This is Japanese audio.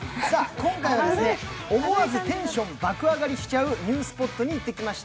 今回は思わずテンションが爆上がりしちゃうニュースポットに行ってきました。